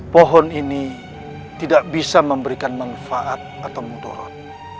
pohon ini tidak bisa memberikan manfaat atau mudorot